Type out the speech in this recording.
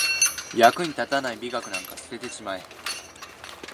役に立たない美学なんか捨ててしまえ